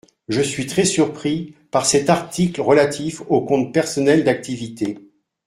Je suis très surpris par cet article relatif au compte personnel d’activité.